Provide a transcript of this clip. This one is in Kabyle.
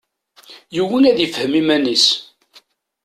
Yugi ad ifhem iman-is.